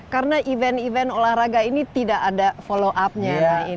karena event event olahraga ini tidak ada follow up nya